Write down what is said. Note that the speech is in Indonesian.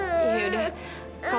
kiut sangat jauh